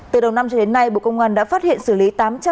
từ đầu năm cho đến nay bộ công an đã phát hiện xử lý tám trăm linh